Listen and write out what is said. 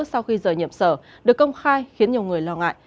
sau khi rời nhập sở được công khai khiến nhiều người lo ngại